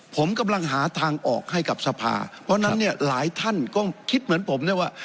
ผมกำลังหาทางออกให้กับสภาเพราะฉะนั้นเนี่ยหลายท่านก็คิดเหมือนผมเนี่ยว่า